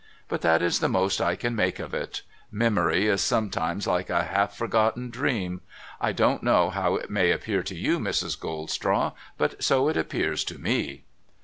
But that is the most I can make of it. Memory is sometimes like a half forgotten dream. I don't know how it may appear to you, Mrs. Goldstraw, but so it appears to me.'